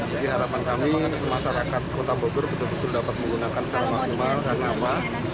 jadi harapan kami masyarakat kota bogor betul betul dapat menggunakan kerama kumal karena apa